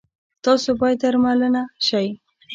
تاسو باید درملنه شی